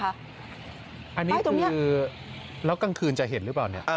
ป้ายตรงนี้อันนี้คือแล้วกลางคืนจะเห็นหรือเปล่า